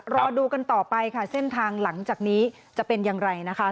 รอดูกันต่อไปค่ะเส้นทางหลังจากนี้จะเป็นอย่างไรนะคะ